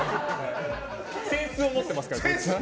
扇子を持ってますから。